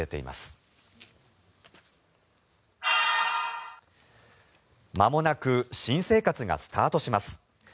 まもなく新生活がスタートします。